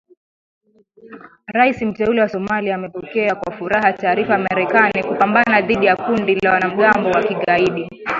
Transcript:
Rais Mteule wa Somalia amepokea kwa furaha taarifa ya Marekani kupambana dhidi ya kundi la wanamgambo wa Kigaidi.